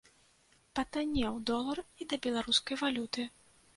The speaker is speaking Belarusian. Патаннеў долар і да беларускай валюты.